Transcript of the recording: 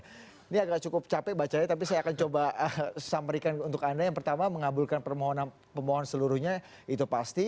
ini agak cukup capek bacanya tapi saya akan coba sampaikan untuk anda yang pertama mengabulkan permohonan pemohon seluruhnya itu pasti